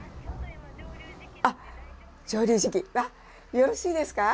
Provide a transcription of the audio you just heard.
よろしいですか？